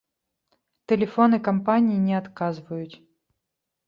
Тэлефоны кампаніі не адказваюць.